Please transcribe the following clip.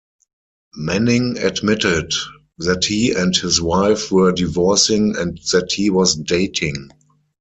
Manning admitted that he and his wife were divorcing and that he was dating.